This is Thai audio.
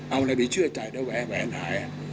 เอาอะไรไปเชื่อใจแล้วแวะแหวนหาย